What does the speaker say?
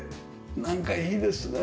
なんかいいですね。